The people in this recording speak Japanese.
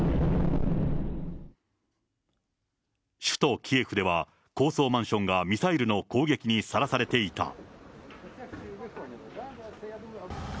首都キエフでは、高層マンションがミサイルの攻撃にさらされていた。